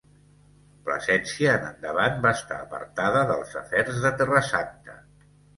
Plasència en endavant va estar apartada dels afers de Terra Santa.